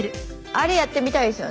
あれやってみたいです。